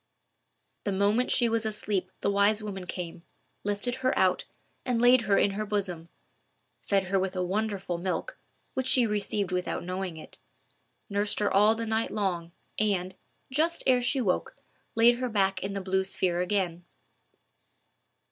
The moment she was asleep, the wise woman came, lifted her out, and laid her in her bosom; fed her with a wonderful milk, which she received without knowing it; nursed her all the night long, and, just ere she woke, laid her back in the blue sphere again.